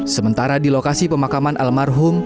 sementara di lokasi pemakaman almarhum